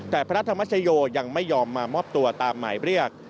แต่พระธรรมชโยยังไม่ยอมมามอบตัวตามหมายเรียก